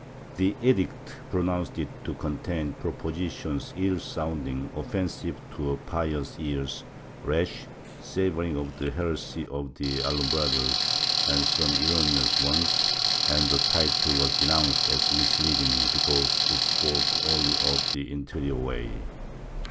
The edict pronounced it to contain propositions ill sounding, offensive to pious ears, rash, savoring of the heresy of the Alumbrados, and some erroneous ones, and the title was denounced as misleading because it spoke only of the interior way.